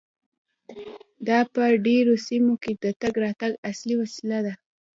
دا په ډیرو سیمو کې د تګ راتګ اصلي وسیله ده